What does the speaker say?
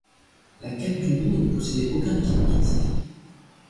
La cale du bourg ne possédait aucun équipement spécifique.